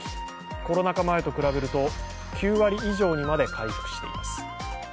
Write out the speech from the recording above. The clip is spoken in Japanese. コロナ禍前と比べると、９割以上にまで回復しています。